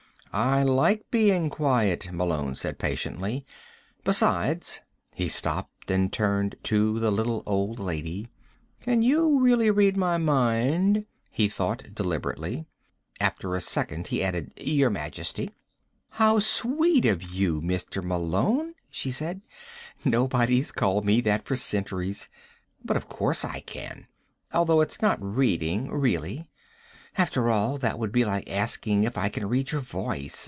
"I like being quiet," Malone said patiently. "Besides " He stopped and turned to the little old lady. Can you really read my mind? he thought deliberately. After a second he added: ... your majesty? "How sweet of you, Mr. Malone," she said. "Nobody's called me that for centuries. But of course I can. Although it's not reading, really. After all, that would be like asking if I can read your voice.